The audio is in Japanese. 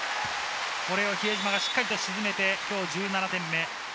これを比江島がしっかりと沈めて今日１７点目。